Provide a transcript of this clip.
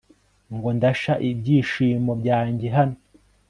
ngo ndasha ibyishimo byange hano